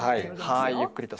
はいゆっくりと。